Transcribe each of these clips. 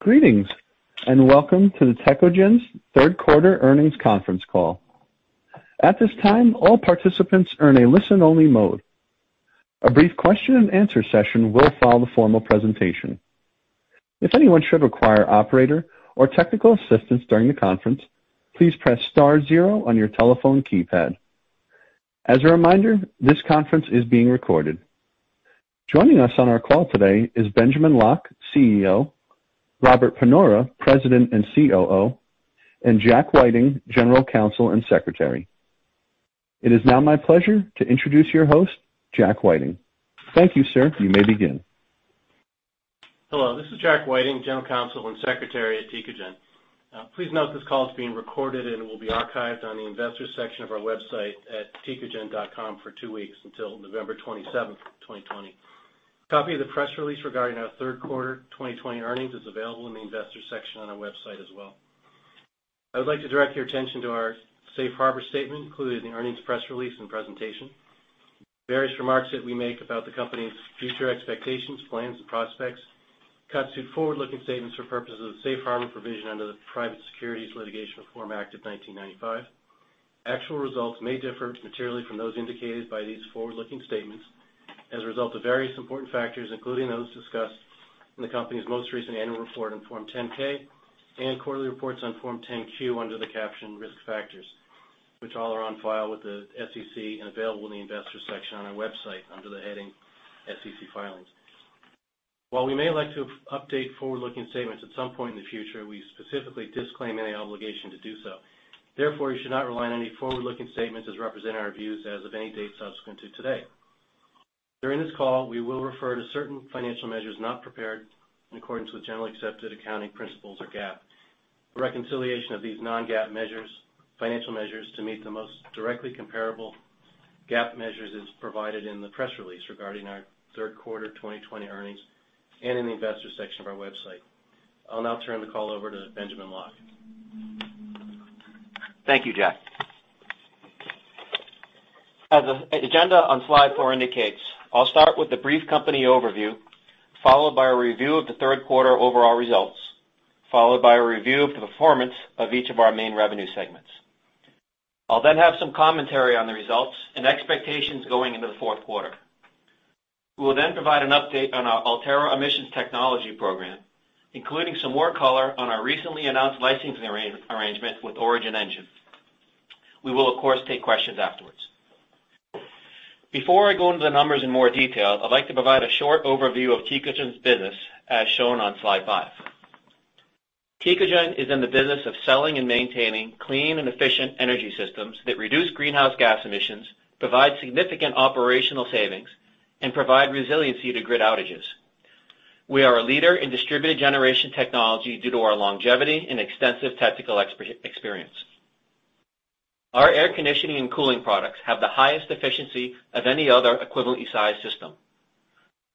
Greetings, welcome to Tecogen's third quarter earnings conference call. At this time, all participants are in a listen-only mode. A brief question and answer session will follow the formal presentation. If anyone should require operator or technical assistance during the conference, please press star 0 on your telephone keypad. As a reminder, this conference is being recorded. Joining us on our call today is Benjamin Locke, CEO, Robert Panora, President and COO, and Jack Whiting, General Counsel and Secretary. It is now my pleasure to introduce your host, Jack Whiting. Thank you, sir. You may begin. Hello. This is Jack Whiting, General Counsel and Secretary at Tecogen. Please note this call is being recorded and will be archived on the investors section of our website at tecogen.com for two weeks until November 27th, 2020. A copy of the press release regarding our third quarter 2020 earnings is available in the investors section on our website as well. I would like to direct your attention to our safe harbor statement included in the earnings press release and presentation. Various remarks that we make about the company's future expectations, plans, and prospects constitute forward-looking statements for purposes of the safe harbor provision under the Private Securities Litigation Reform Act of 1995. Actual results may differ materially from those indicated by these forward-looking statements as a result of various important factors, including those discussed in the company's most recent annual report on Form 10-K and quarterly reports on Form 10-Q under the caption Risk Factors, which all are on file with the SEC and available in the investors section on our website under the heading SEC Filings. While we may like to update forward-looking statements at some point in the future, we specifically disclaim any obligation to do so. Therefore, you should not rely on any forward-looking statements as representing our views as of any date subsequent to today. During this call, we will refer to certain financial measures not prepared in accordance with generally accepted accounting principles, or GAAP. A reconciliation of these non-GAAP measures, financial measures to meet the most directly comparable GAAP measures is provided in the press release regarding our third quarter 2020 earnings and in the investors section of our website. I'll now turn the call over to Benjamin Locke. Thank you, Jack. As the agenda on slide four indicates, I will start with a brief company overview, followed by a review of the third quarter overall results, followed by a review of the performance of each of our main revenue segments. I will then have some commentary on the results and expectations going into the fourth quarter. We will then provide an update on our Ultera emissions technology program, including some more color on our recently announced licensing arrangement with Origin Engines. We will, of course, take questions afterwards. Before I go into the numbers in more detail, I would like to provide a short overview of Tecogen's business as shown on slide five. Tecogen is in the business of selling and maintaining clean and efficient energy systems that reduce greenhouse gas emissions, provide significant operational savings, and provide resiliency to grid outages. We are a leader in distributed generation technology due to our longevity and extensive technical experience. Our air conditioning and cooling products have the highest efficiency of any other equivalently sized system.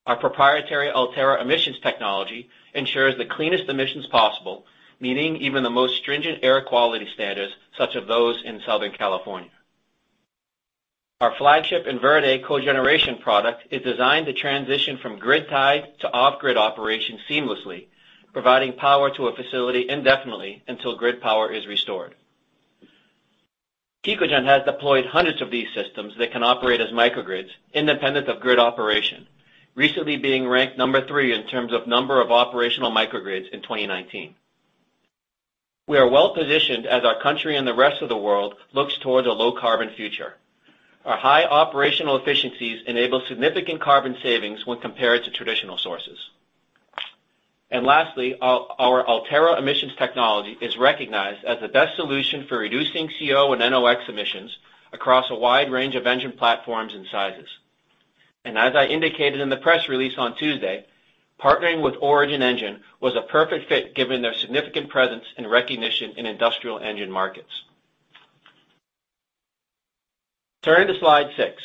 Our proprietary Ultera emissions technology ensures the cleanest emissions possible, meeting even the most stringent air quality standards, such as those in Southern California. Our flagship InVerde cogeneration product is designed to transition from grid tied to off-grid operation seamlessly, providing power to a facility indefinitely until grid power is restored. Tecogen has deployed hundreds of these systems that can operate as microgrids, independent of grid operation, recently being ranked number three in terms of number of operational microgrids in 2019. We are well-positioned as our country and the rest of the world looks towards a low carbon future. Our high operational efficiencies enable significant carbon savings when compared to traditional sources. Lastly, our Ultera emissions technology is recognized as the best solution for reducing CO and NOx emissions across a wide range of engine platforms and sizes. As I indicated in the press release on Tuesday, partnering with Origin Engines was a perfect fit given their significant presence and recognition in industrial engine markets. Turning to slide six.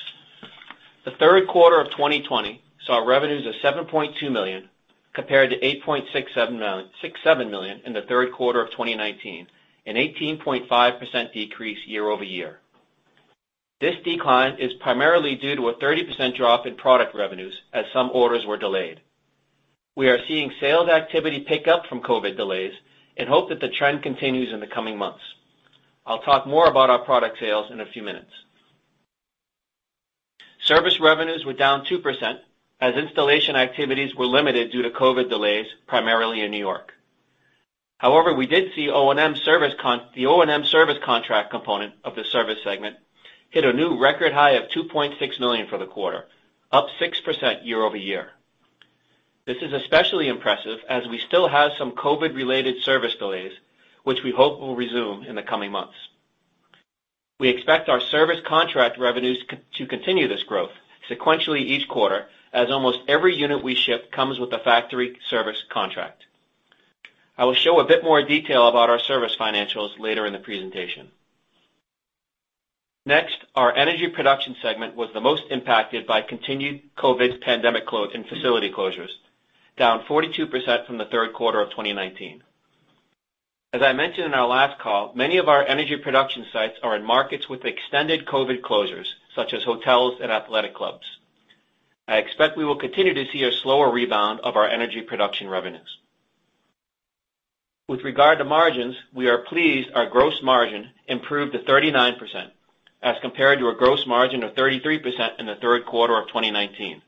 The third quarter of 2020 saw revenues of $7.2 million, compared to $8.67 million in the third quarter of 2019, an 18.5% decrease year-over-year. This decline is primarily due to a 30% drop in product revenues as some orders were delayed. We are seeing sales activity pick up from COVID delays and hope that the trend continues in the coming months. I will talk more about our product sales in a few minutes. Service revenues were down 2% as installation activities were limited due to COVID delays, primarily in New York. However, we did see the O&M service contract component of the service segment hit a new record high of $2.6 million for the quarter, up 6% year-over-year. This is especially impressive as we still have some COVID-related service delays, which we hope will resume in the coming months. We expect our service contract revenues to continue this growth sequentially each quarter, as almost every unit we ship comes with a factory service contract. I will show a bit more detail about our service financials later in the presentation. Next, our energy production segment was the most impacted by continued COVID pandemic and facility closures, down 42% from the third quarter of 2019. As I mentioned in our last call, many of our energy production sites are in markets with extended COVID closures, such as hotels and athletic clubs. I expect we will continue to see a slower rebound of our energy production revenues. With regard to margins, we are pleased our gross margin improved to 39%, as compared to a gross margin of 33% in the third quarter of 2019.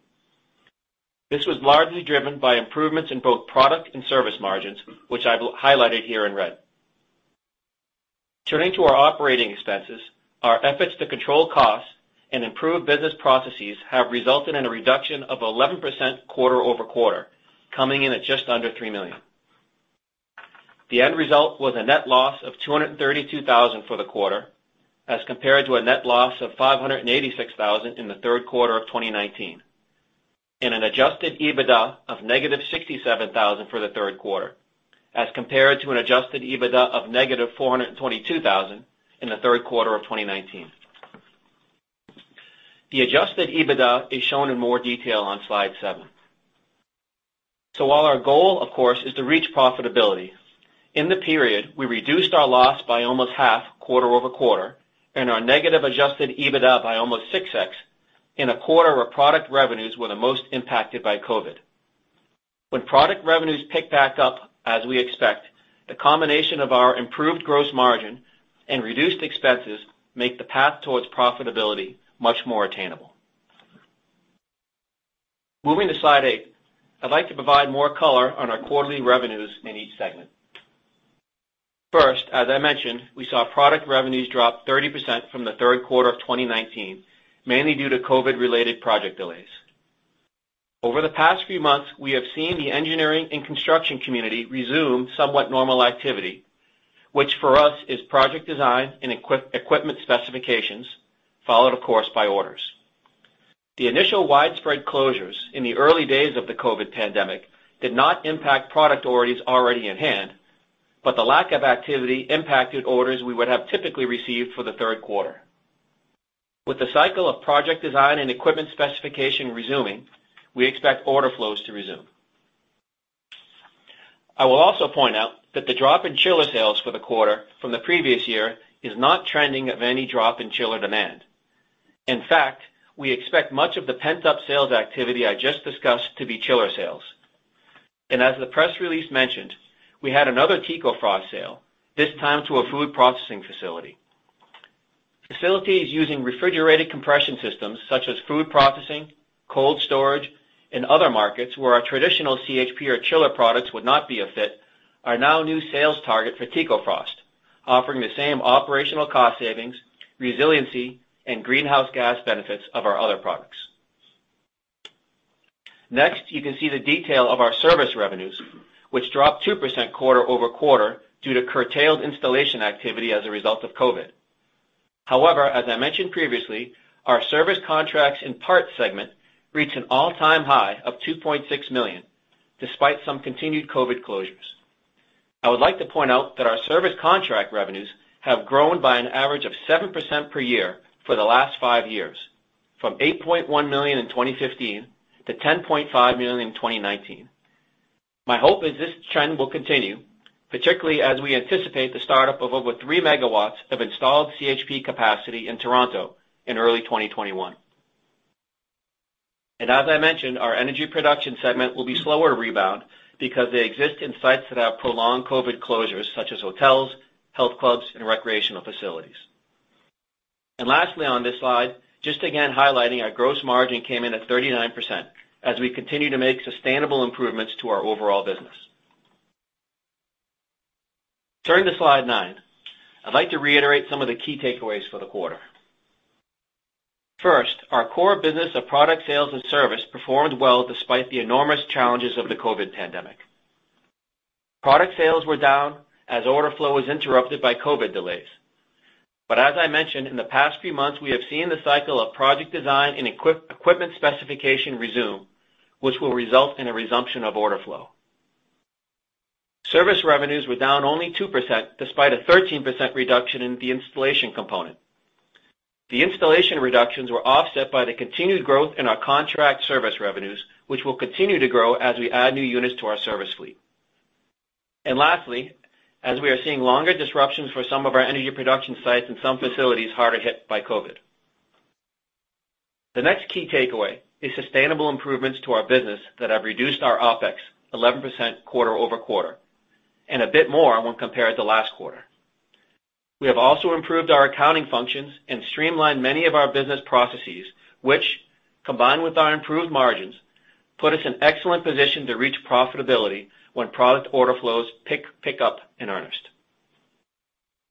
This was largely driven by improvements in both product and service margins, which I've highlighted here in red. Turning to our operating expenses, our efforts to control costs and improve business processes have resulted in a reduction of 11% quarter-over-quarter, coming in at just under $3 million. The end result was a net loss of $232,000 for the quarter, as compared to a net loss of $586,000 in the third quarter of 2019, and an adjusted EBITDA of negative $67,000 for the third quarter, as compared to an adjusted EBITDA of negative $422,000 in the third quarter of 2019. The adjusted EBITDA is shown in more detail on slide seven. While our goal, of course, is to reach profitability, in the period, we reduced our loss by almost half quarter-over-quarter, and our negative adjusted EBITDA by almost 6x in a quarter where product revenues were the most impacted by COVID. When product revenues pick back up, as we expect, the combination of our improved gross margin and reduced expenses make the path towards profitability much more attainable. Moving to slide eight, I'd like to provide more color on our quarterly revenues in each segment. First, as I mentioned, we saw product revenues drop 30% from the third quarter of 2019, mainly due to COVID-related project delays. Over the past few months, we have seen the engineering and construction community resume somewhat normal activity, which for us is project design and equipment specifications, followed, of course, by orders. The initial widespread closures in the early days of the COVID pandemic did not impact product orders already in hand, but the lack of activity impacted orders we would have typically received for the third quarter. With the cycle of project design and equipment specification resuming, we expect order flows to resume. I will also point out that the drop in chiller sales for the quarter from the previous year is not trending of any drop in chiller demand. In fact, we expect much of the pent-up sales activity I just discussed to be chiller sales. As the press release mentioned, we had another TecoFrost sale, this time to a food processing facility. Facilities using refrigerated compression systems such as food processing, cold storage, and other markets where our traditional CHP or chiller products would not be a fit are now a new sales target for TecoFrost, offering the same operational cost savings, resiliency, and greenhouse gas benefits of our other products. Next, you can see the detail of our service revenues, which dropped 2% quarter-over-quarter due to curtailed installation activity as a result of COVID. However, as I mentioned previously, our service contracts and parts segment reached an all-time high of $2.6 million, despite some continued COVID closures. I would like to point out that our service contract revenues have grown by an average of 7% per year for the last five years, from $8.1 million in 2015 to $10.5 million in 2019. My hope is this trend will continue, particularly as we anticipate the startup of over 3 MW of installed CHP capacity in Toronto in early 2021. As I mentioned, our energy production segment will be slower to rebound because they exist in sites that have prolonged COVID closures, such as hotels, health clubs, and recreational facilities. Lastly on this slide, just again highlighting our gross margin came in at 39% as we continue to make sustainable improvements to our overall business. Turning to slide nine, I'd like to reiterate some of the key takeaways for the quarter. First, our core business of product sales and service performed well despite the enormous challenges of the COVID pandemic. Product sales were down as order flow was interrupted by COVID delays. As I mentioned, in the past few months, we have seen the cycle of project design and equipment specification resume, which will result in a resumption of order flow. Service revenues were down only 2% despite a 13% reduction in the installation component. The installation reductions were offset by the continued growth in our contract service revenues, which will continue to grow as we add new units to our service fleet. Lastly, as we are seeing longer disruptions for some of our energy production sites and some facilities harder hit by COVID. The next key takeaway is sustainable improvements to our business that have reduced our OpEx 11% quarter-over-quarter, and a bit more when compared to last quarter. We have also improved our accounting functions and streamlined many of our business processes which, combined with our improved margins, put us in excellent position to reach profitability when product order flows pick up in earnest.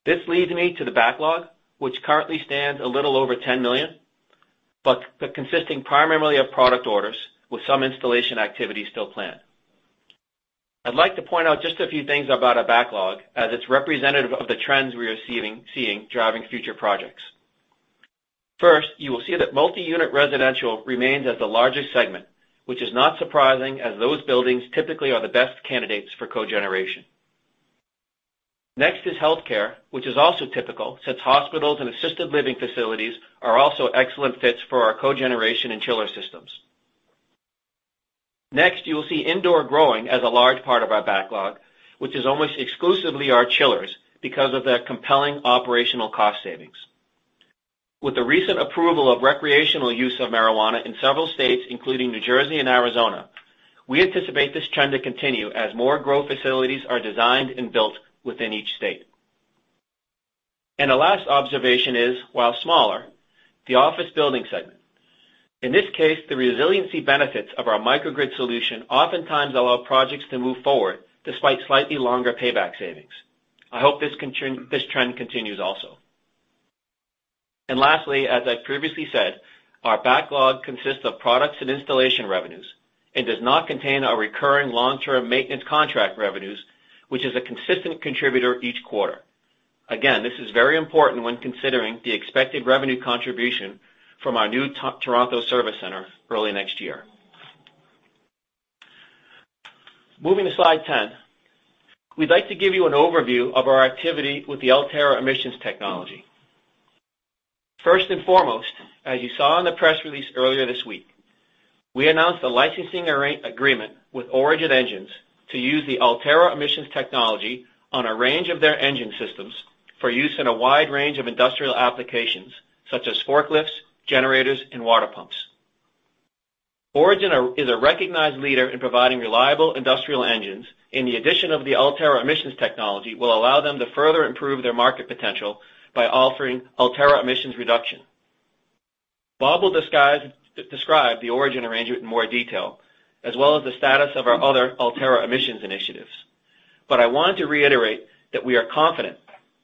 This leads me to the backlog, which currently stands a little over $10 million, but consisting primarily of product orders with some installation activity still planned. I'd like to point out just a few things about our backlog, as it's representative of the trends we are seeing driving future projects. First, you will see that multi-unit residential remains as the largest segment, which is not surprising, as those buildings typically are the best candidates for cogeneration. Next is healthcare, which is also typical, since hospitals and assisted living facilities are also excellent fits for our cogeneration and chiller systems. Next, you will see indoor growing as a large part of our backlog, which is almost exclusively our chillers because of their compelling operational cost savings. With the recent approval of recreational use of marijuana in several states, including New Jersey and Arizona, we anticipate this trend to continue as more grow facilities are designed and built within each state. The last observation is, while smaller, the office building segment. In this case, the resiliency benefits of our microgrid solution oftentimes allow projects to move forward despite slightly longer payback savings. I hope this trend continues also. Lastly, as I previously said, our backlog consists of products and installation revenues and does not contain our recurring long-term maintenance contract revenues, which is a consistent contributor each quarter. Again, this is very important when considering the expected revenue contribution from our new Toronto service center early next year. Moving to slide 10, we'd like to give you an overview of our activity with the Ultera emissions technology. First and foremost, as you saw in the press release earlier this week, we announced a licensing agreement with Origin Engines to use the Ultera emissions technology on a range of their engine systems for use in a wide range of industrial applications such as forklifts, generators, and water pumps. Origin is a recognized leader in providing reliable industrial engines, and the addition of the Ultera emissions technology will allow them to further improve their market potential by offering Ultera emissions reduction. Bob will describe the Origin arrangement in more detail, as well as the status of our other Ultera emissions initiatives. I want to reiterate that we are confident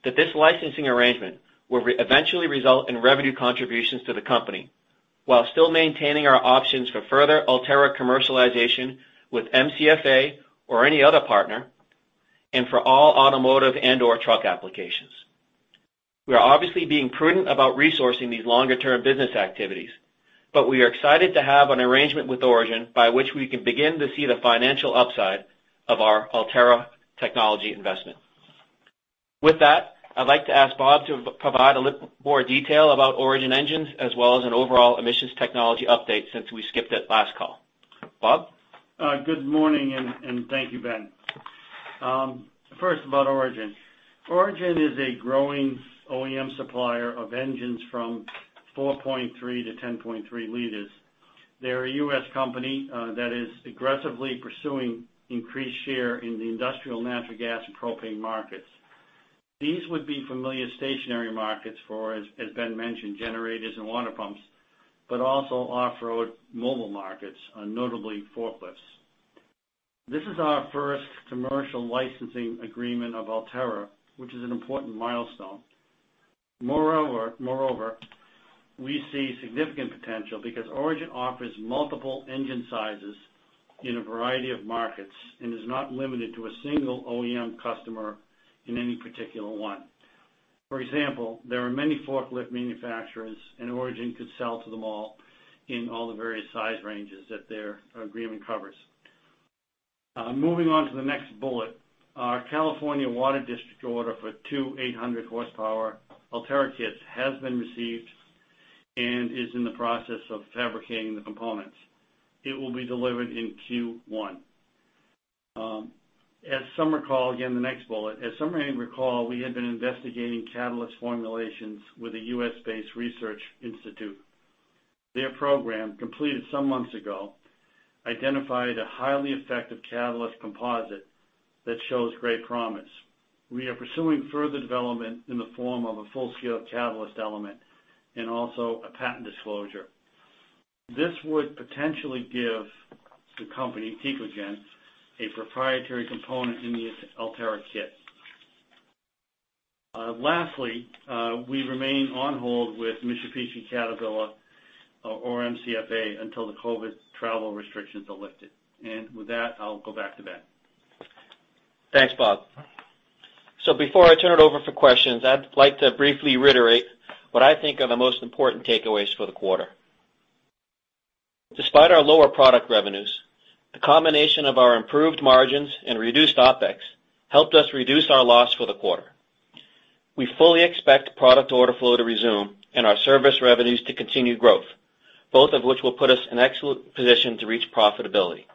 that this licensing arrangement will eventually result in revenue contributions to the company while still maintaining our options for further Ultera commercialization with MCFA or any other partner, and for all automotive and/or truck applications. We are obviously being prudent about resourcing these longer-term business activities, but we are excited to have an arrangement with Origin by which we can begin to see the financial upside of our Ultera technology investment. With that, I'd like to ask Bob to provide a little more detail about Origin Engines as well as an overall emissions technology update since we skipped it last call. Bob? Good morning. Thank you, Ben. First, about Origin. Origin is a growing OEM supplier of engines from 4.3 to 10.3 liters. They're a U.S. company that is aggressively pursuing increased share in the industrial natural gas and propane markets. These would be familiar stationary markets for, as Ben mentioned, generators and water pumps, but also off-road mobile markets, notably forklifts. This is our first commercial licensing agreement of Ultera, which is an important milestone. Moreover, we see significant potential because Origin offers multiple engine sizes in a variety of markets and is not limited to a single OEM customer in any particular one. For example, there are many forklift manufacturers, and Origin could sell to them all in all the various size ranges that their agreement covers. Moving on to the next bullet, our Eastern Municipal Water District order for 2 800-horsepower Ultera kits has been received and is in the process of fabricating the components. It will be delivered in Q1. Again, the next bullet. As some may recall, we had been investigating catalyst formulations with a U.S.-based research institute. Their program, completed some months ago, identified a highly effective catalyst composite that shows great promise. We are pursuing further development in the form of a full scale of catalyst element and also a patent disclosure. This would potentially give the company, Tecogen, a proprietary component in the Ultera kit. Lastly, we remain on hold with Mitsubishi Caterpillar Forklift America, or MCFA, until the COVID travel restrictions are lifted. With that, I'll go back to Ben. Thanks, Bob. Before I turn it over for questions, I'd like to briefly reiterate what I think are the most important takeaways for the quarter. Despite our lower product revenues, the combination of our improved margins and reduced OpEx helped us reduce our loss for the quarter. We fully expect product order flow to resume and our service revenues to continue growth, both of which will put us in excellent position to reach profitability.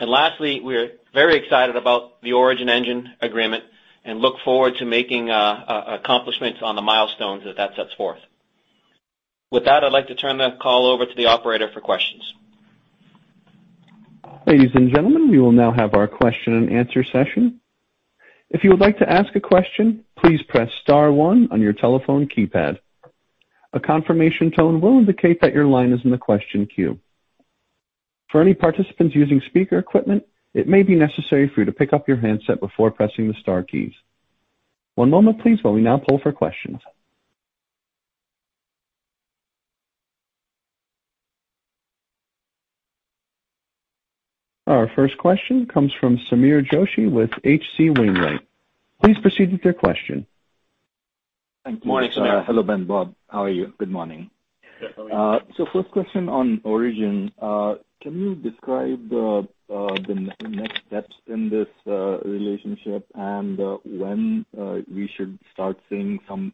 Lastly, we're very excited about the Origin Engines agreement and look forward to making accomplishments on the milestones that that sets forth. With that, I'd like to turn the call over to the operator for questions. Ladies and gentlemen, we will now have our question and answer session. If you would like to ask a question, please press star one on your telephone keypad. A confirmation tone will indicate that your line is in the question queue. For any participants using speaker equipment, it may be necessary for you to pick up your handset before pressing the star keys. One moment please while we now poll for questions. Our first question comes from Sameer Joshi with H.C. Wainwright. Please proceed with your question. Morning, Sameer. Thank you. Hello, Ben, Bob. How are you? Good morning. Good. How are you? First question on Origin. Can you describe the next steps in this relationship and when we should start seeing some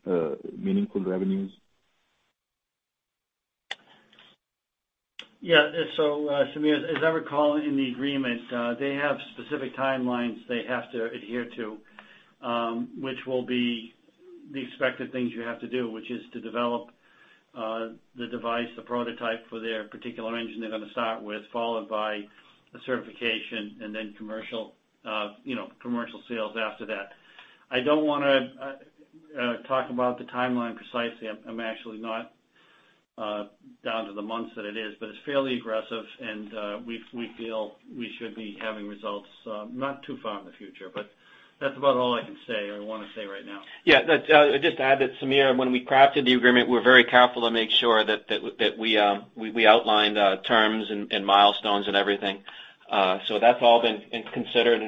meaningful revenues? Yeah. Sameer, as I recall in the agreement, they have specific timelines they have to adhere to, which will be the expected things you have to do, which is to develop the device, the prototype for their particular engine they're going to start with, followed by the certification and then commercial sales after that. I don't want to talk about the timeline precisely. I'm actually not down to the months that it is, but it's fairly aggressive, and we feel we should be having results not too far in the future. That's about all I can say or want to say right now. I'd just add that, Sameer, when we crafted the agreement, we were very careful to make sure that we outlined terms and milestones and everything. That's all been considered.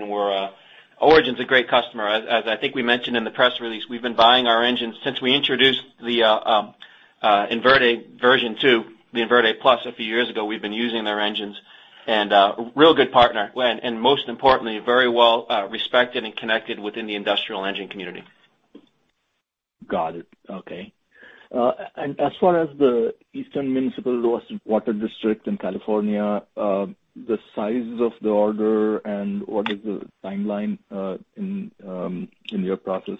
Origin's a great customer. As I think we mentioned in the press release, we've been buying our engines since we introduced the InVerde version two, the InVerde e+, a few years ago. We've been using their engines and a real good partner. Most importantly, very well respected and connected within the industrial engine community. Got it. Okay. As far as the Eastern Municipal Water District in California, the size of the order and what is the timeline in your process?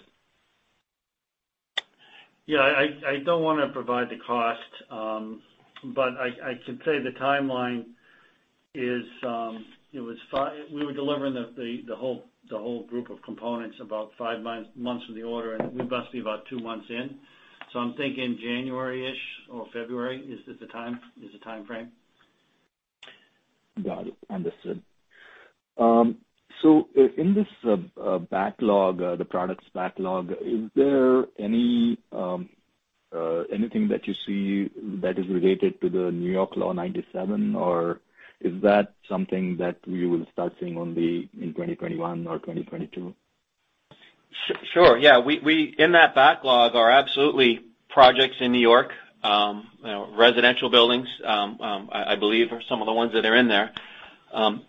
I don't want to provide the cost, but I can say the timeline is we were delivering the whole group of components about five months from the order. We must be about two months in. I'm thinking January-ish or February is the time frame. Got it. Understood. In this backlog, the products backlog, is there anything that you see that is related to the Local Law 97, or is that something that we will start seeing only in 2021 or 2022? Sure. Yeah. In that backlog are absolutely projects in New York. Residential buildings, I believe, are some of the ones that are in there. That's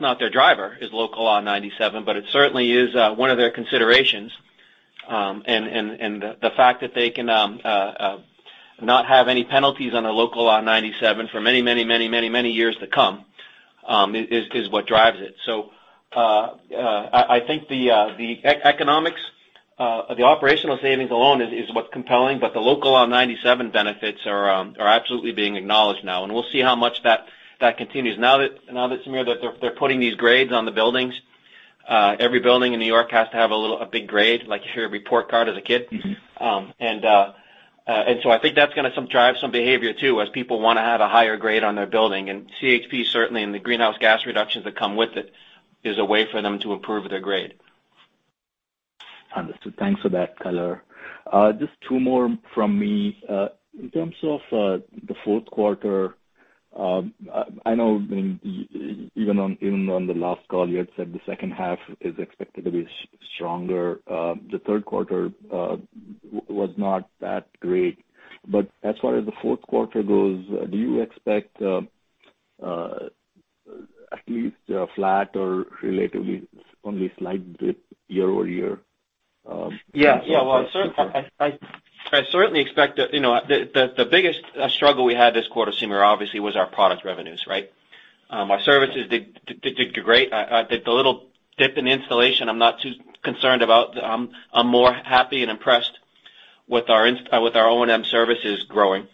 not their driver, is Local Law 97, but it certainly is one of their considerations. The fact that they can not have any penalties on a Local Law 97 for many years to come is what drives it. I think the economics of the operational savings alone is what's compelling, but the Local Law 97 benefits are absolutely being acknowledged now, and we'll see how much that continues. Now that, Sameer, they're putting these grades on the buildings, every building in New York has to have a big grade, like your report card as a kid. I think that's going to drive some behavior too, as people want to have a higher grade on their building. CHP certainly, and the greenhouse gas reductions that come with it, is a way for them to improve their grade. Understood. Thanks for that color. Just two more from me. In terms of the fourth quarter, I know even on the last call, you had said the second half is expected to be stronger. The third quarter was not that great. As far as the fourth quarter goes, do you expect at least a flat or relatively only slight dip year-over-year? Yeah. I certainly expect that the biggest struggle we had this quarter, Sameer, obviously, was our product revenues, right? Our services did great. The little dip in installation, I'm not too concerned about. I'm more happy and impressed with our O&M services growing.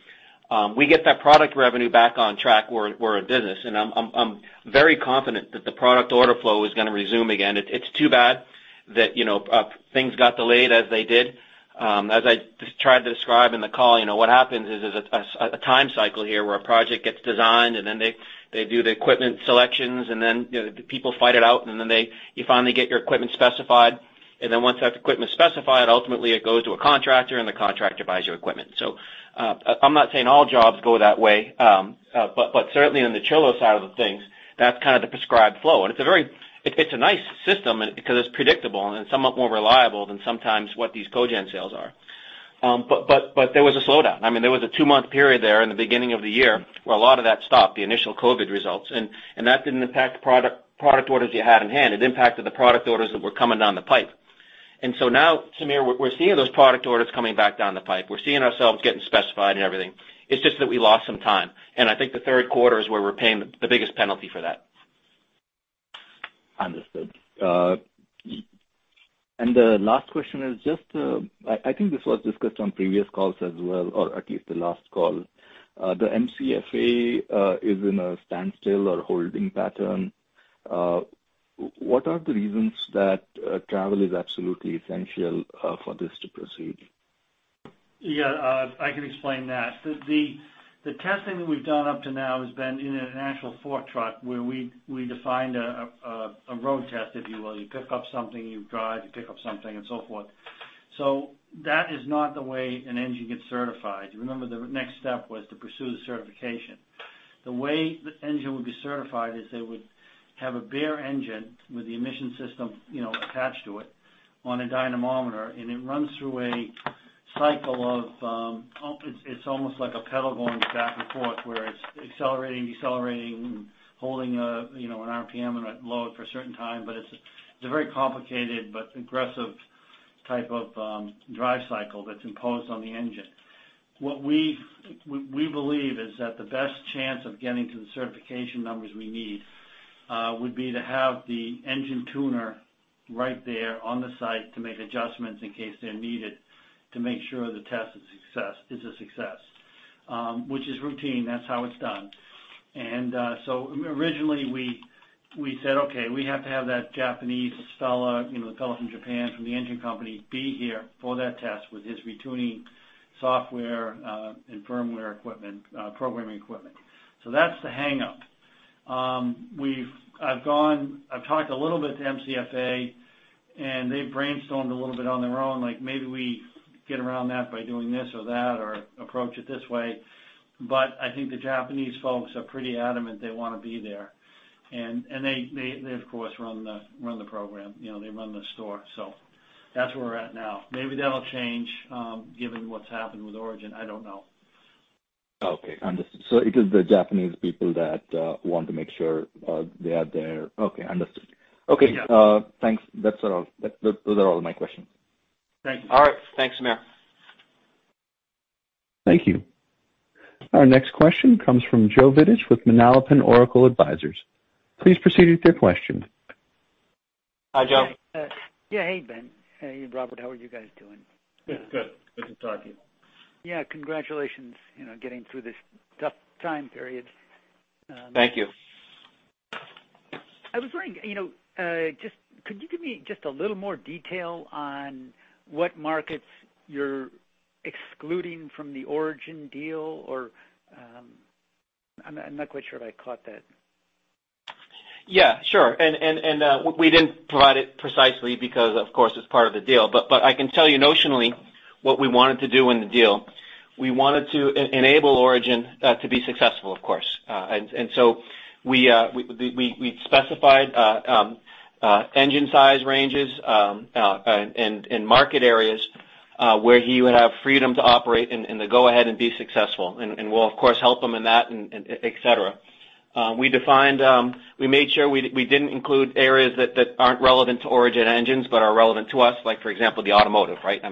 We get that product revenue back on track, we're in business, and I'm very confident that the product order flow is going to resume again. It's too bad that things got delayed as they did. As I tried to describe in the call, what happens is a time cycle here where a project gets designed, and then they do the equipment selections, and then the people fight it out, and then you finally get your equipment specified. Once that equipment is specified, ultimately it goes to a contractor, and the contractor buys your equipment. I'm not saying all jobs go that way, but certainly on the chiller side of the things, that's kind of the prescribed flow. It's a nice system because it's predictable and it's somewhat more reliable than sometimes what these cogen sales are. There was a slowdown. There was a two-month period there in the beginning of the year where a lot of that stopped, the initial COVID results, and that didn't impact the product orders you had in hand. It impacted the product orders that were coming down the pipe. Now, Sameer, we're seeing those product orders coming back down the pipe. We're seeing ourselves getting specified and everything. It's just that we lost some time, and I think the third quarter is where we're paying the biggest penalty for that. Understood. The last question is just, I think this was discussed on previous calls as well, or at least the last call. The MCFA is in a standstill or holding pattern. What are the reasons that travel is absolutely essential for this to proceed? I can explain that. The testing that we've done up to now has been in an actual fork truck where we defined a road test, if you will. You pick up something, you drive, you pick up something, and so forth. That is not the way an engine gets certified. You remember the next step was to pursue the certification. The way the engine would be certified is they would have a bare engine with the emission system attached to it on a dynamometer, and it runs through a cycle of, it's almost like a pedal going back and forth, where it's accelerating, decelerating, and holding an RPM and a load for a certain time. It's a very complicated but aggressive type of drive cycle that's imposed on the engine. What we believe is that the best chance of getting to the certification numbers we need would be to have the engine tuner right there on the site to make adjustments in case they're needed, to make sure the test is a success. Which is routine. That's how it's done. Originally we said, "Okay, we have to have that Japanese fellow from Japan, from the engine company, be here for that test with his retuning software, and firmware equipment, programming equipment." That's the hang-up. I've talked a little bit to MCFA, and they've brainstormed a little bit on their own, like, maybe we get around that by doing this or that, or approach it this way. I think the Japanese folks are pretty adamant they want to be there. They, of course, run the program. They run the store. That's where we're at now. Maybe that'll change, given what's happened with Origin. I don't know. Okay. Understood. It is the Japanese people that want to make sure they are there. Okay. Understood. Yeah. Okay. Thanks. Those are all my questions. Thank you. All right. Thanks, Sameer. Thank you. Our next question comes from Joseph Vidich with Manalapan Oracle Capital Management. Please proceed with your question. Hi, Joseph. Yeah. Hey, Benjamin. Hey, Robert. How are you guys doing? Good. Good. Good to talk to you. Yeah. Congratulations getting through this tough time period. Thank you. I was wondering, could you give me just a little more detail on what markets you're excluding from the Origin deal? I'm not quite sure if I caught that. Yeah, sure. We didn't provide it precisely because, of course, it's part of the deal, but I can tell you notionally what we wanted to do in the deal. We wanted to enable Origin to be successful, of course. We specified engine size ranges, and market areas where he would have freedom to operate and to go ahead and be successful. We'll, of course, help him in that, et cetera. We made sure we didn't include areas that aren't relevant to Origin Engines, but are relevant to us. For example, the automotive, right?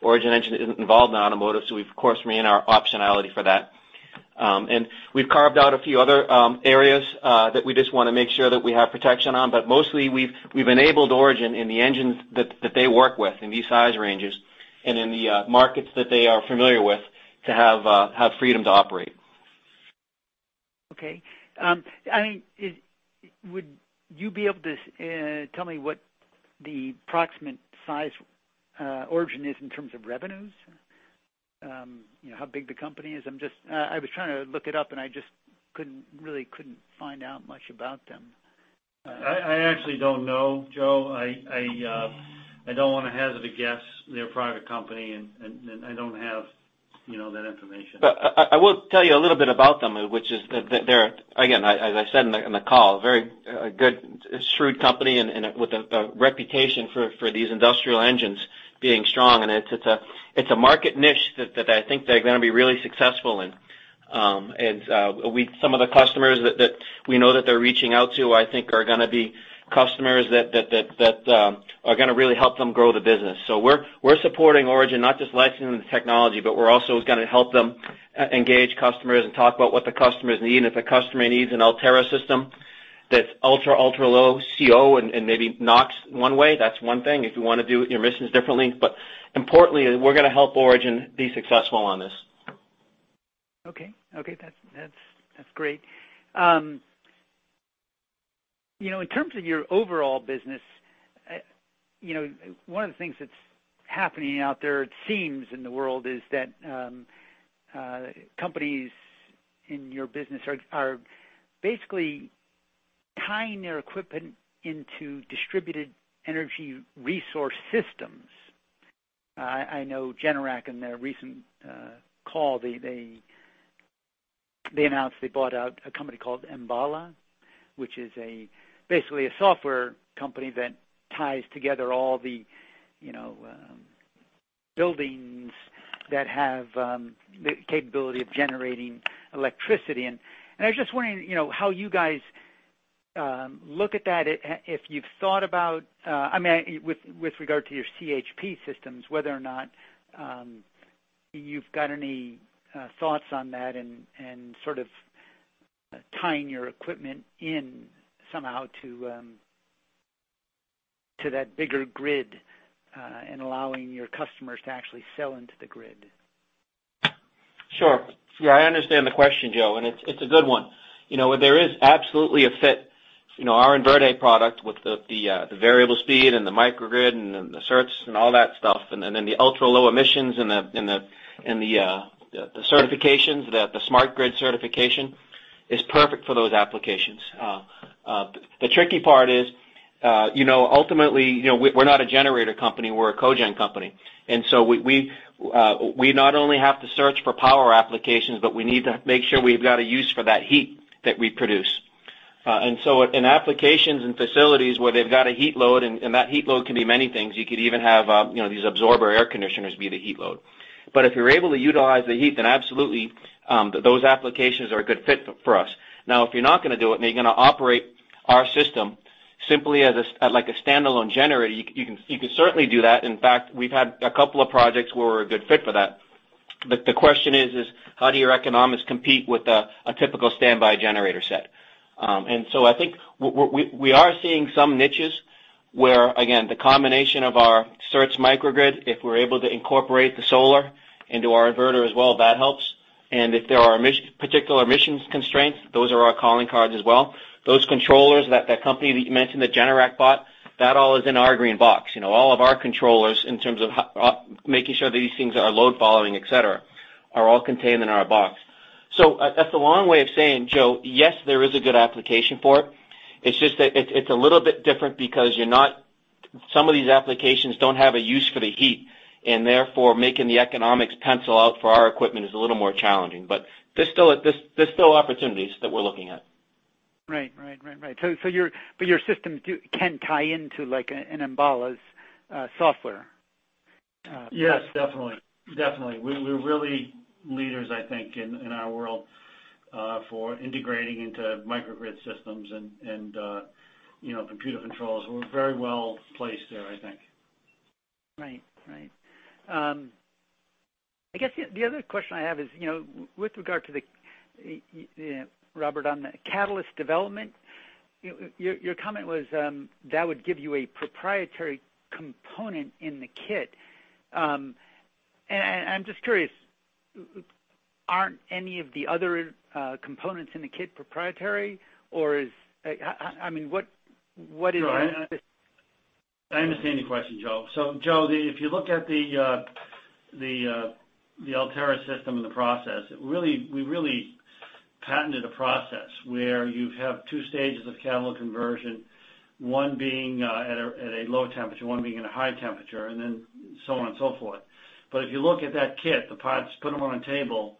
Origin Engine isn't involved in automotive, so we've, of course, remain our optionality for that. We've carved out a few other areas that we just want to make sure that we have protection on. Mostly, we've enabled Origin in the engines that they work with in these size ranges and in the markets that they are familiar with to have freedom to operate. Okay. Would you be able to tell me what the approximate size Origin is in terms of revenues? How big the company is. I was trying to look it up, and I just really couldn't find out much about them. I actually don't know, Joe. I don't want to hazard a guess. They're a private company, and I don't have that information. I will tell you a little bit about them, which is that they're, again, as I said in the call, a very good, shrewd company with a reputation for these industrial engines being strong. It's a market niche that I think they're going to be really successful in. Some of the customers that we know that they're reaching out to, I think are going to be customers that are going to really help them grow the business. We're supporting Origin, not just licensing the technology, but we're also going to help them engage customers and talk about what the customers need. If a customer needs an Ultera system that's ultra low CO and maybe NOx one way, that's one thing. If you want to do emissions differently. Importantly, we're going to help Origin be successful on this. Okay. That's great. In terms of your overall business, one of the things that's happening out there, it seems in the world, is that companies in your business are basically tying their equipment into distributed energy resource systems. I know Generac in their recent call, they announced they bought out a company called Enbala, which is basically a software company that ties together all the buildings that have the capability of generating electricity. I was just wondering how you guys look at that, if you've thought about, with regard to your CHP systems, whether or not you've got any thoughts on that and sort of tying your equipment in somehow to that bigger grid, and allowing your customers to actually sell into the grid. Sure. Yeah, I understand the question, Joe, and it's a good one. There is absolutely a fit. Our InVerde product with the variable speed and the microgrid and then the certs and all that stuff, and then the ultra-low emissions and the certifications, the smart grid certification is perfect for those applications. The tricky part is, ultimately, we're not a generator company, we're a cogen company. We not only have to search for power applications, but we need to make sure we've got a use for that heat that we produce. In applications and facilities where they've got a heat load, and that heat load can be many things. You could even have these absorber air conditioners be the heat load. If you're able to utilize the heat, then absolutely, those applications are a good fit for us. If you're not going to do it and you're going to operate our system Simply as a standalone generator, you can certainly do that. In fact, we've had a couple of projects where we're a good fit for that. The question is how do your economics compete with a typical standby generator set? I think we are seeing some niches where, again, the combination of our cert microgrid, if we're able to incorporate the solar into our inverter as well, that helps. If there are particular emissions constraints, those are our calling cards as well. Those controllers, that company that you mentioned that Generac bought, that all is in our green box. All of our controllers in terms of making sure that these things are load following, et cetera, are all contained in our box. That's a long way of saying, Joe, yes, there is a good application for it. It's just that it's a little bit different because some of these applications don't have a use for the heat, and therefore, making the economics pencil out for our equipment is a little more challenging. There's still opportunities that we're looking at. Right. Your systems can tie into an Enbala's software. Yes, definitely. We're really leaders, I think, in our world for integrating into microgrid systems and computer controls. We're very well placed there, I think. Right. I guess the other question I have is, with regard to the, Robert, on the catalyst development. Your comment was that would give you a proprietary component in the kit. I'm just curious, aren't any of the other components in the kit proprietary? Sure. I understand your question, Joe. Joe, if you look at the Ultera system and the process, we really patented a process where you have 2 stages of catalyst conversion, one being at a low temperature, one being at a high temperature, and then so on and so forth. If you look at that kit, the parts, put them on a table,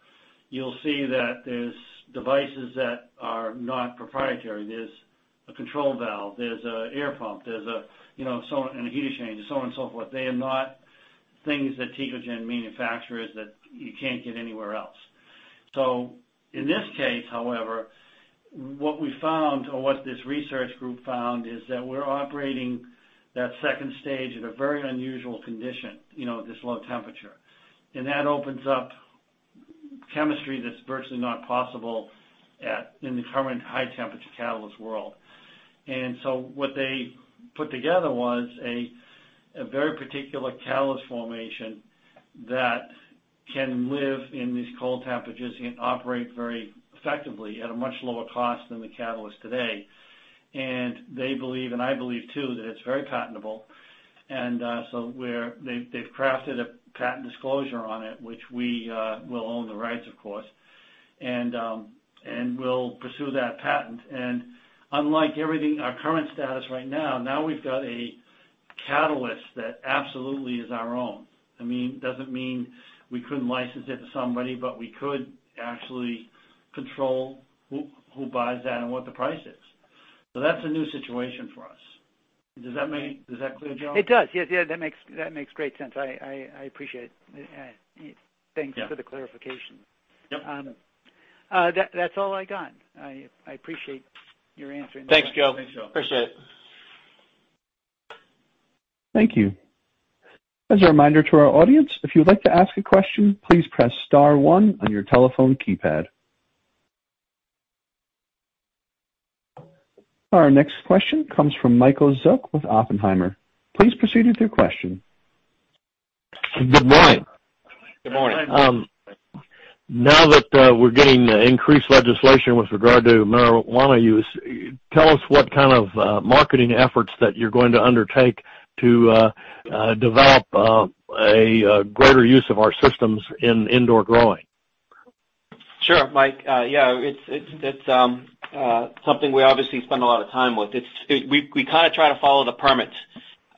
you'll see that there's devices that are not proprietary. There's a control valve, there's an air pump, there's a heat exchange and so on and so forth. They are not things that Tecogen manufactures that you can't get anywhere else. In this case, however, what we found or what this research group found is that we're operating that second stage at a very unusual condition, this low temperature. That opens up chemistry that's virtually not possible in the current high-temperature catalyst world. What they put together was a very particular catalyst formation that can live in these cold temperatures and operate very effectively at a much lower cost than the catalyst today. They believe, and I believe too, that it's very patentable. They've crafted a patent disclosure on it, which we will own the rights, of course, and we'll pursue that patent. Unlike everything, our current status right now we've got a catalyst that absolutely is our own. It doesn't mean we couldn't license it to somebody, but we could actually control who buys that and what the price is. That's a new situation for us. Is that clear, Joe? It does. Yeah, that makes great sense. I appreciate it. Yeah. Thanks for the clarification. Yep. That's all I got. I appreciate your answering. Thanks, Joe. Thanks, Joe. Appreciate it. Thank you. As a reminder to our audience, if you would like to ask a question, please press star one on your telephone keypad. Our next question comes from Michael Wiederhorn with Oppenheimer. Please proceed with your question. Good morning. Good morning. Good morning. Now that we're getting increased legislation with regard to marijuana use, tell us what kind of marketing efforts that you're going to undertake to develop a greater use of our systems in indoor growing. Sure, Mike. Yeah, it's something we obviously spend a lot of time with. We try to follow the permits.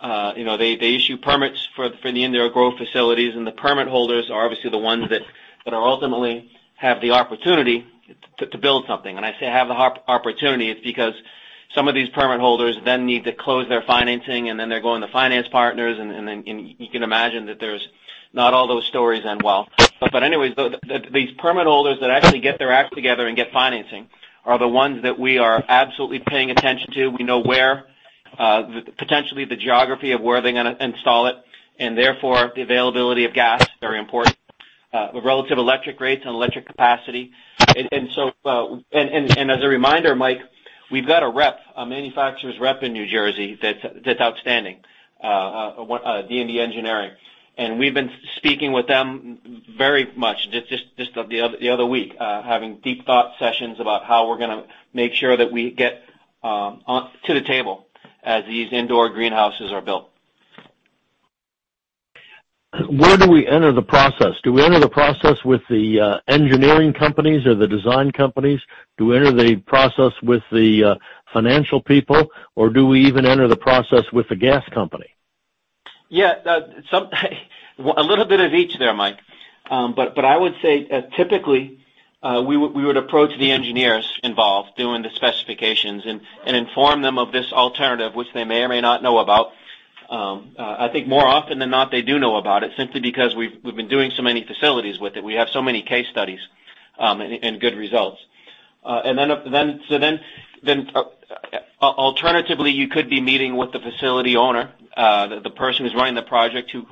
They issue permits for the indoor growth facilities, and the permit holders are obviously the ones that ultimately have the opportunity to build something. I say have the opportunity, it's because some of these permit holders then need to close their financing and then they're going to finance partners, and then you can imagine that there's not all those stories end well. Anyways, these permit holders that actually get their act together and get financing are the ones that we are absolutely paying attention to. We know where, potentially the geography of where they're going to install it, and therefore the availability of gas, very important. The relative electric rates and electric capacity. As a reminder, Mike, we've got a rep, a manufacturer's rep in New Jersey that's outstanding, D and E Engineering. We've been speaking with them very much just the other week, having deep thought sessions about how we're going to make sure that we get to the table as these indoor greenhouses are built. Where do we enter the process? Do we enter the process with the engineering companies or the design companies? Do we enter the process with the financial people, or do we even enter the process with the gas company? A little bit of each there, Mike. I would say, typically, we would approach the engineers involved doing the specifications and inform them of this alternative, which they may or may not know about. I think more often than not, they do know about it simply because we've been doing so many facilities with it. We have so many case studies and good results. Alternatively, you could be meeting with the facility owner, the person who's running the project who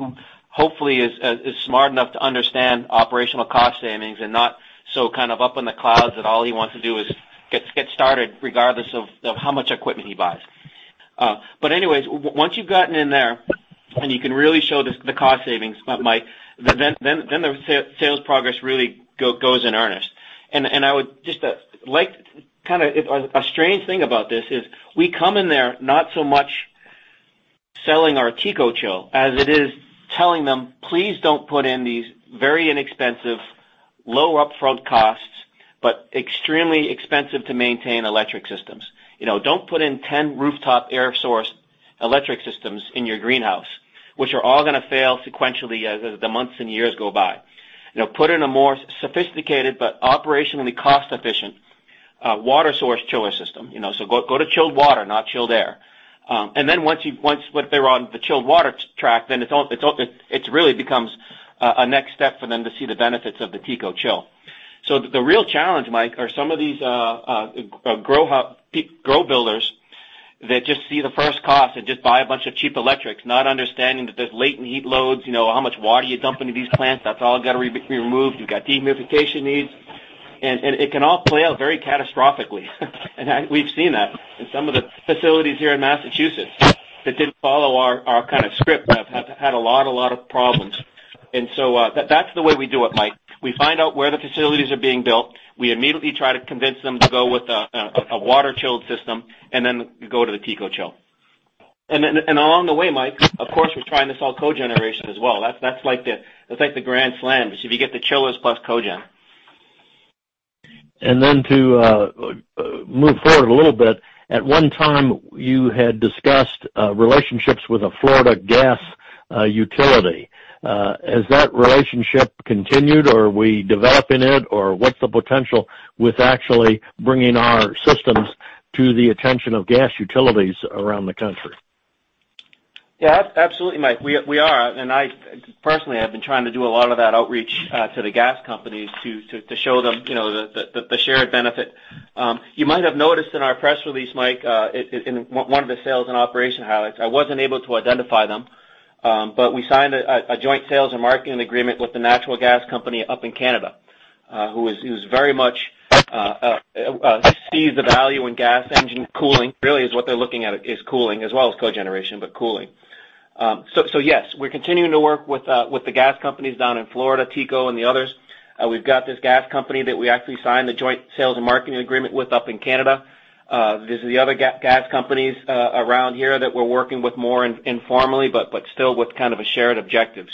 hopefully is smart enough to understand operational cost savings and not so up in the clouds that all he wants to do is get started regardless of how much equipment he buys. Anyways, once you've gotten in there and you can really show the cost savings, Mike, the sales progress really goes in earnest. I would just like. A strange thing about this is we come in there not so much selling our TECOCHILL as it is telling them, "Please don't put in these very inexpensive, low upfront costs, but extremely expensive to maintain electric systems. Don't put in 10 rooftop air source electric systems in your greenhouse, which are all going to fail sequentially as the months and years go by. Put in a more sophisticated but operationally cost-efficient, water-source chiller system. Go to chilled water, not chilled air." Once they're on the chilled water track, it really becomes a next step for them to see the benefits of the TECOCHILL. The real challenge, Mike, are some of these grow builders that just see the first cost and just buy a bunch of cheap electrics, not understanding that there's latent heat loads, how much water you dump into these plants. That's all got to be removed. You've got dehumidification needs. It can all play out very catastrophically. We've seen that in some of the facilities here in Massachusetts that didn't follow our kind of script, have had a lot of problems. That's the way we do it, Mike. We find out where the facilities are being built. We immediately try to convince them to go with a water-chilled system, go to the TECOCHILL. Along the way, Mike, of course, we're trying to sell cogeneration as well. That's like the grand slam, is if you get the chillers plus cogen. To move forward a little bit, at one time, you had discussed relationships with a Florida gas utility. Has that relationship continued, or are we developing it, or what's the potential with actually bringing our systems to the attention of gas utilities around the country? Absolutely, Mike. We are, and I personally have been trying to do a lot of that outreach to the gas companies to show them the shared benefit. You might have noticed in our press release, Mike, in one of the sales and operation highlights, I wasn't able to identify them. We signed a joint sales and marketing agreement with the natural gas company up in Canada, who very much sees the value in gas engine cooling. Really is what they're looking at, is cooling as well as cogeneration, but cooling. Yes, we're continuing to work with the gas companies down in Florida, TECO and the others. We've got this gas company that we actually signed the joint sales and marketing agreement with up in Canada. There's the other gas companies around here that we're working with more informally, but still with kind of a shared objective.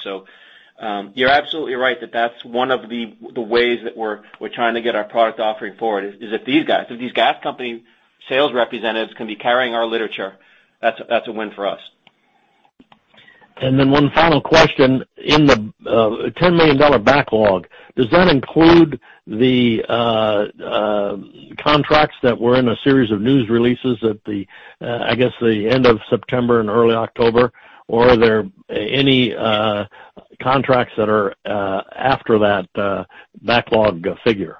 You're absolutely right that that's one of the ways that we're trying to get our product offering forward is if these guys, if these gas company sales representatives, can be carrying our literature. That's a win for us. One final question. In the $10 million backlog, does that include the contracts that were in a series of news releases at the, I guess, the end of September and early October, or are there any contracts that are after that backlog figure?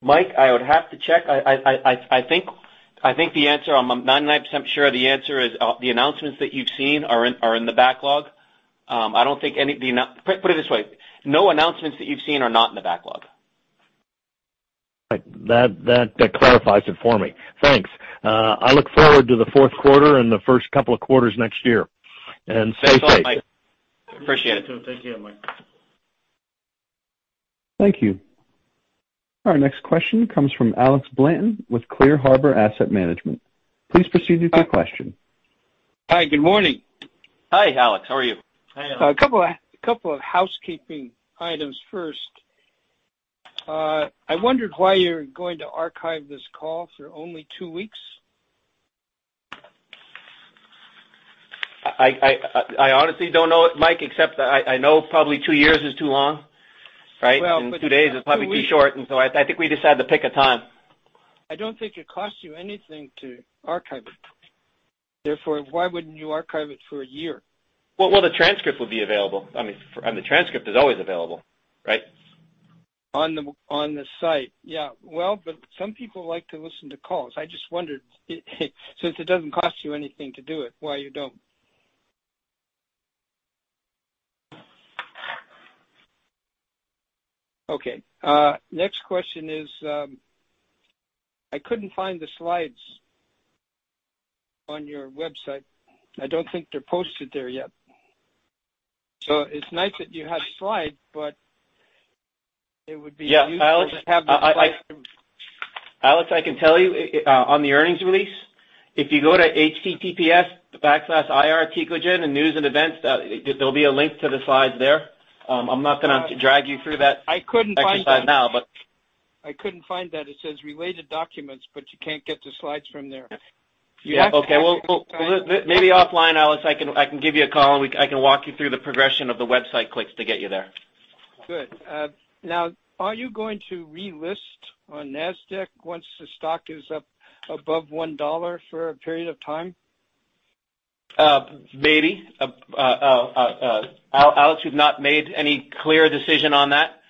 Mike, I would have to check. I'm 99% sure the answer is the announcements that you've seen are in the backlog. Put it this way. No announcements that you've seen are not in the backlog. That clarifies it for me. Thanks. I look forward to the fourth quarter and the first couple of quarters next year. Stay safe. Thanks a lot, Mike. Appreciate it. You too. Thank you, Mike. Thank you. Our next question comes from Alex Blanton with ClearHarbor Asset Management. Please proceed with your question. Hi. Good morning. Hi, Alex. How are you? A couple of housekeeping items first. I wondered why you're going to archive this call for only two weeks. I honestly don't know it, Mike, except I know probably two years is too long, right? Two days is probably too short. I think we just had to pick a time. I don't think it costs you anything to archive it. Why wouldn't you archive it for a year? Well, the transcript will be available. I mean, the transcript is always available, right? On the site. Yeah. Well, some people like to listen to calls. I just wondered, since it doesn't cost you anything to do it, why you don't. Okay. Next question is, I couldn't find the slides on your website. I don't think they're posted there yet. It's nice that you have slides, but it would be useful to have the slides. Alex, I can tell you, on the earnings release, if you go to https://ir.tecogen.com in News & Events, there'll be a link to the slides there. I'm not gonna drag you through that. I couldn't find that exercise now, but. I couldn't find that. It says Related Documents, but you can't get the slides from there. Yeah. Okay. Well, maybe offline, Alex. I can give you a call, and I can walk you through the progression of the website clicks to get you there. Good. Are you going to relist on NASDAQ once the stock is up above $1 for a period of time? Maybe. Alex, we've not made any clear decision on that.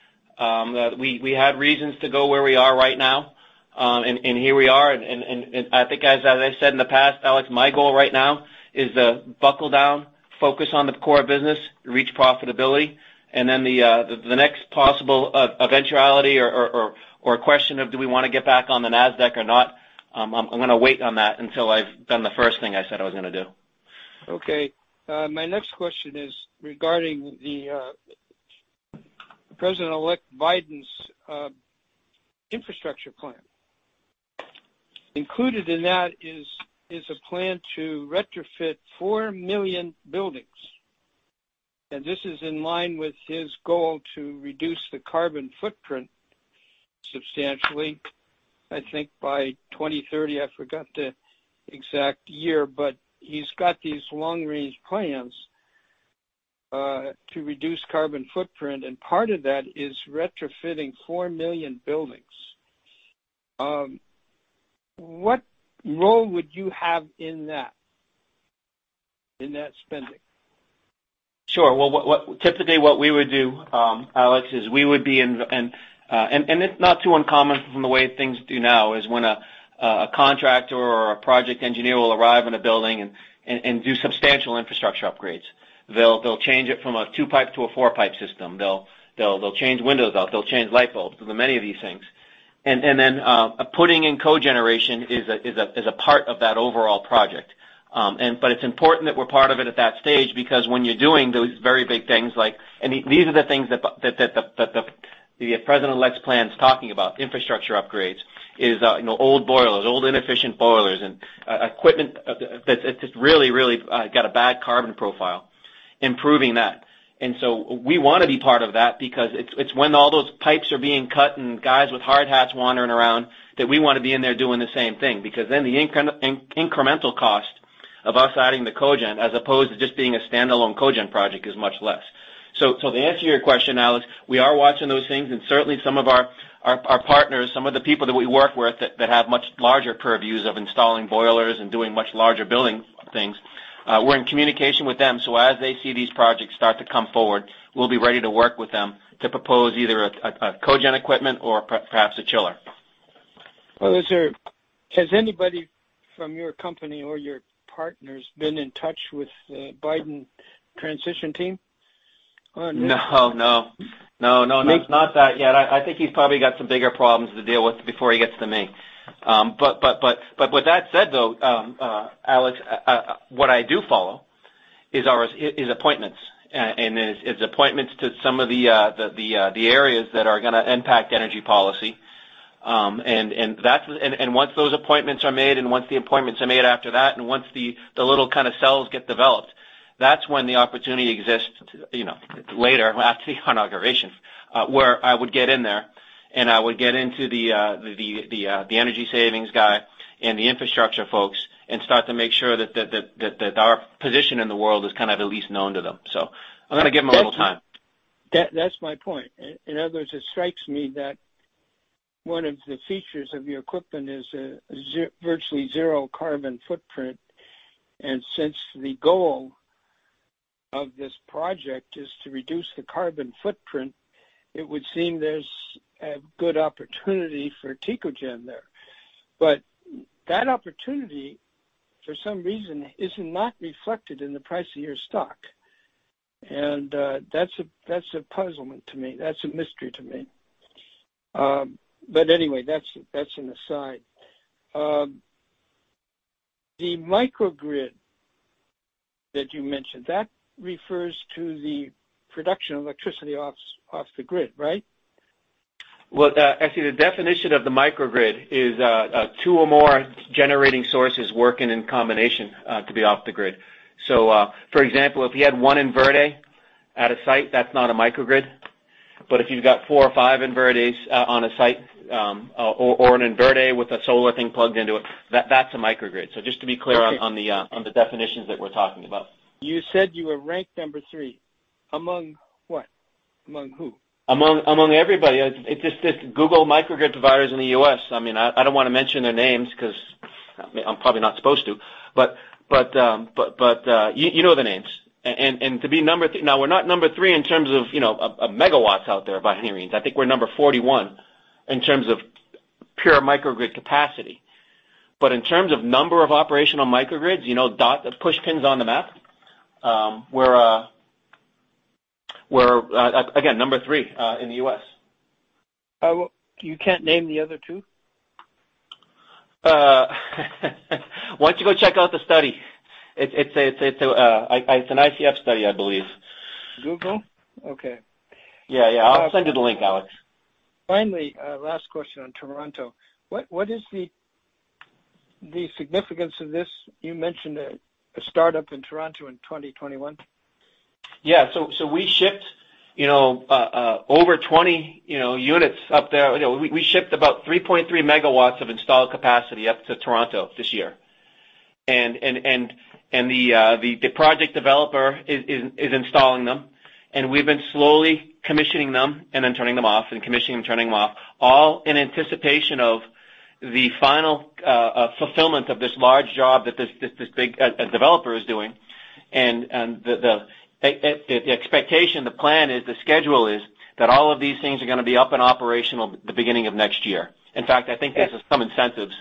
We had reasons to go where we are right now. Here we are, and I think as I said in the past, Alex, my goal right now is to buckle down, focus on the core business, reach profitability, and then the next possible eventuality or question of do we want to get back on the NASDAQ or not, I'm going to wait on that until I've done the first thing I said I was going to do. Okay. My next question is regarding President-elect Biden's infrastructure plan. Included in that is a plan to retrofit 4 million buildings. This is in line with his goal to reduce the carbon footprint substantially, I think by 2030. I forgot the exact year. He's got these long-range plans to reduce carbon footprint, and part of that is retrofitting 4 million buildings. What role would you have in that spending? Sure. Well, typically what we would do, Alex, is we would be. It's not too uncommon from the way things do now is when a contractor or a project engineer will arrive in a building and do substantial infrastructure upgrades. They'll change it from a two-pipe to a four-pipe system. They'll change windows out, they'll change light bulbs. There are many of these things. Then putting in cogeneration is a part of that overall project. It's important that we're part of it at that stage, because when you're doing those very big things like these are the things that the President-elect's plan is talking about, infrastructure upgrades, is old boilers, old inefficient boilers, and equipment that's just really got a bad carbon profile, improving that. We want to be part of that because it's when all those pipes are being cut and guys with hard hats wandering around that we want to be in there doing the same thing because then the incremental cost of us adding the cogen as opposed to just being a standalone cogen project is much less. To answer your question, Alex, we are watching those things and certainly some of our partners, some of the people that we work with that have much larger purviews of installing boilers and doing much larger building things, we're in communication with them. As they see these projects start to come forward, we'll be ready to work with them to propose either a cogen equipment or perhaps a chiller. Has anybody from your company or your partners been in touch with the Biden transition team on this? No. Not that yet. I think he's probably got some bigger problems to deal with before he gets to me. With that said though, Alex, what I do follow is appointments, and his appointments to some of the areas that are going to impact energy policy. Once those appointments are made and once the appointments are made after that and once the little kind of cells get developed, that's when the opportunity exists, later after the inauguration, where I would get in there and I would get into the energy savings guy and the infrastructure folks and start to make sure that our position in the world is kind of at least known to them. I'm going to give him a little time. That's my point. In other words, it strikes me that one of the features of your equipment is virtually zero carbon footprint. Since the goal of this project is to reduce the carbon footprint, it would seem there's a good opportunity for Tecogen there. That opportunity, for some reason, is not reflected in the price of your stock. That's a puzzlement to me. That's a mystery to me. Anyway, that's an aside. The microgrid that you mentioned, that refers to the production of electricity off the grid, right? Well, actually, the definition of the microgrid is two or more generating sources working in combination to be off the grid. For example, if you had one InVerde at a site, that's not a microgrid. But if you've got four or five InVerdes on a site or an InVerde with a solar thing plugged into it, that's a microgrid. Just to be clear on the definitions that we're talking about. You said you were ranked number three. Among what? Among who? Among everybody. Just Google microgrid providers in the U.S. I don't want to mention their names because I'm probably not supposed to, but you know the names. To be number three. Now, we're not number three in terms of megawatts out there by any means. I think we're number 41 in terms of pure microgrid capacity. But in terms of number of operational microgrids, push pins on the map, we're again, number three in the U.S. You can't name the other two? Why don't you go check out the study? It's an ICF study, I believe. Google? Okay. Yeah. I'll send you the link, Alex. Last question on Toronto. What is the significance of this? You mentioned a startup in Toronto in 2021. We shipped over 20 units up there. We shipped about 3.3 megawatts of installed capacity up to Toronto this year. The project developer is installing them, and we've been slowly commissioning them and then turning them off and commissioning them, turning them off, all in anticipation of the final fulfillment of this large job that this big developer is doing. The expectation, the plan is, the schedule is that all of these things are going to be up and operational the beginning of next year. In fact, I think there's some incentives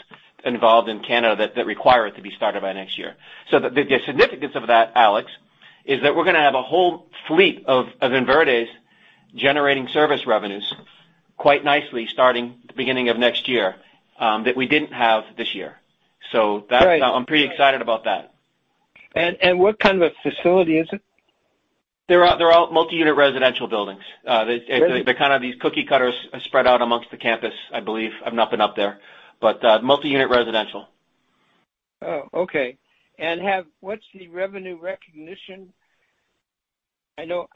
involved in Canada that require it to be started by next year. The significance of that, Alex, is that we're going to have a whole fleet of InVerde generating service revenues quite nicely starting the beginning of next year, that we didn't have this year. Right. I'm pretty excited about that. What kind of a facility is it? They're all multi-unit residential buildings. Residential. They're kind of these cookie cutters spread out amongst the campus, I believe. I've not been up there, but multi-unit residential. What's the revenue recognition? I know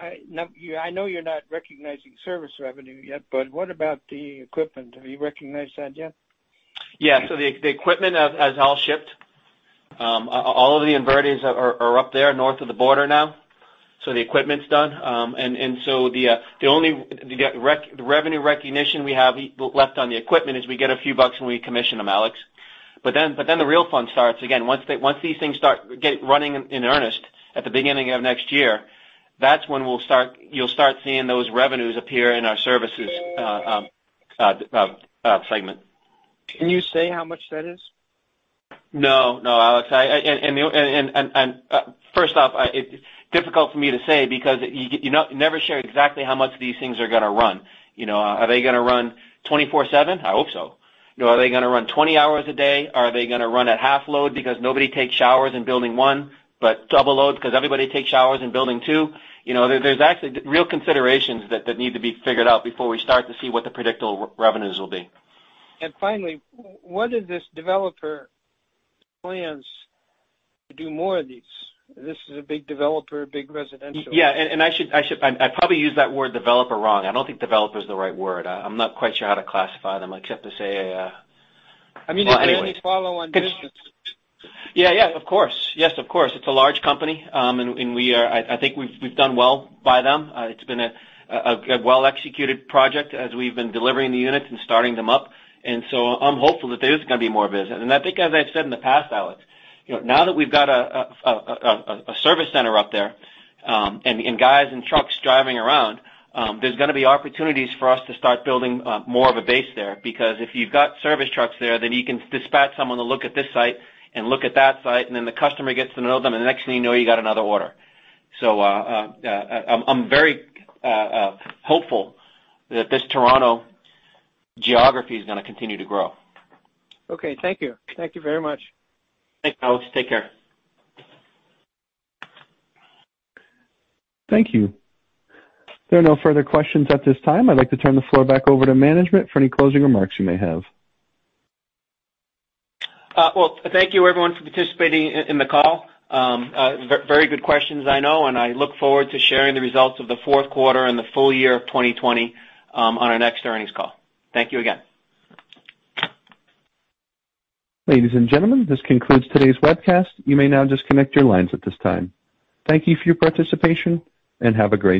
you're not recognizing service revenue yet, but what about the equipment? Have you recognized that yet? Yeah. The equipment has all shipped. All of the inverters are up there north of the border now. The equipment's done. The only revenue recognition we have left on the equipment is we get a few bucks when we commission them, Alex. The real fun starts again. Once these things start running in earnest at the beginning of next year, that's when you'll start seeing those revenues appear in our services segment. Can you say how much that is? No, Alex. First off, it's difficult for me to say because you never share exactly how much these things are going to run. Are they going to run 24/7? I hope so. Are they going to run 20 hours a day? Are they going to run at half load because nobody takes showers in building one, but double load because everybody takes showers in building two? There's actually real considerations that need to be figured out before we start to see what the predictable revenues will be. Finally, what if this developer plans to do more of these? This is a big developer, big residential. Yeah. I probably used that word developer wrong. I don't think developer is the right word. I'm not quite sure how to classify them except to say. I mean, is there any follow-on business? Yes, of course. Yes, of course. It's a large company. I think we've done well by them. It's been a well-executed project as we've been delivering the units and starting them up. I'm hopeful that there is going to be more business. I think, as I've said in the past, Alex, now that we've got a service center up there, and guys and trucks driving around, there's going to be opportunities for us to start building more of a base there. Because if you've got service trucks there, then you can dispatch someone to look at this site and look at that site, and then the customer gets to know them, and the next thing you know, you got another order. I'm very hopeful that this Toronto geography is going to continue to grow. Okay. Thank you. Thank you very much. Thanks, Alex. Take care. Thank you. There are no further questions at this time. I'd like to turn the floor back over to management for any closing remarks you may have. Well, thank you everyone for participating in the call. Very good questions, I know, I look forward to sharing the results of the fourth quarter and the full year of 2020 on our next earnings call. Thank you again. Ladies and gentlemen, this concludes today's webcast. You may now disconnect your lines at this time. Thank you for your participation, have a great day.